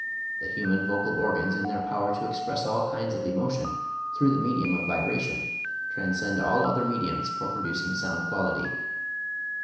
The human vocal organs in their power to express all kinds of emotion, through the medium of vibration, transcend all other mediums for producing sound quality.